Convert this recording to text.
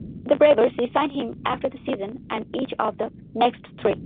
The Braves re-signed him after that season and each of the next three.